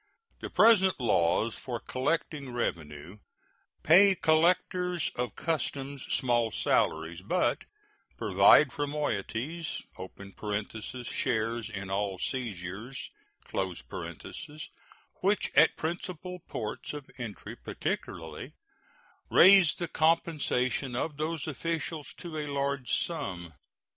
The present laws for collecting revenue pay collectors of customs small salaries, but provide for moieties (shares in all seizures), which, at principal ports of entry particularly, raise the compensation of those officials to a large sum.